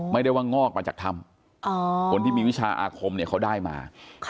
ไม่ได้ว่างอกมาจากถ้ำคนที่มีวิชาอาคมเนี่ยเขาได้มา